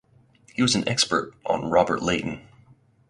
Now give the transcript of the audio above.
He was an expert on Robert Leighton.